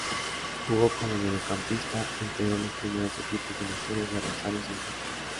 Jugó como mediocampista e integró los primeros equipos de la historia de Rosario Central.